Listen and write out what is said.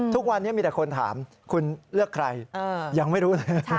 ทุกวันนี้มีแต่คนถามคุณเลือกใครยังไม่รู้เลย